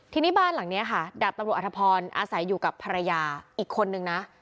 ทีนี้บ้านหลังนี้ค่ะดาบตำรวจอธพรอาศัยอยู่กับภรรยาอีกคนนึงนะ